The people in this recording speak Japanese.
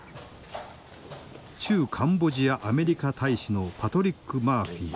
駐カンボジアアメリカ大使のパトリック・マーフィー。